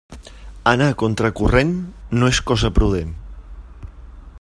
Anar contra corrent no és cosa prudent.